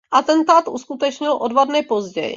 Atentát uskutečnil o dva dny později.